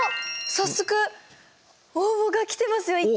早速応募が来てますよ１件！